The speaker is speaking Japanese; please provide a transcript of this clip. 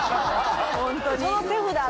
ホントに。